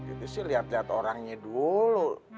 itu sih liat liat orangnya dulu